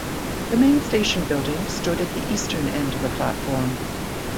The main station building stood at the eastern end of the platform.